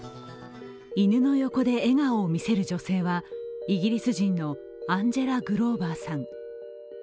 犬の横で笑顔を見せる女性はイギリス人のアンジェラ・グローバーさん。